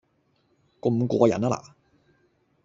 咁過癮吖嗱